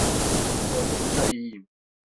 Oldukça iyiyim.